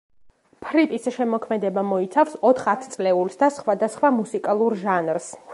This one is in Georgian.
ფრიპის შემოქმედება მოიცავს ოთხ ათწლეულს და სხვადასხვა მუსიკალურ ჟანრს.